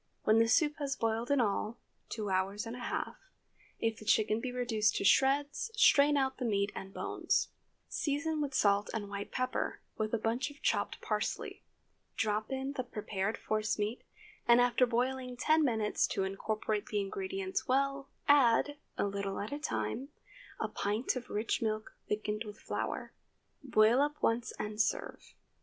When the soup has boiled in all, two hours and a half, if the chicken be reduced to shreds, strain out the meat and bones. Season with salt and white pepper, with a bunch of chopped parsley. Drop in the prepared force meat, and after boiling ten minutes to incorporate the ingredients well, add, a little at a time, a pint of rich milk thickened with flour. Boil up once and serve.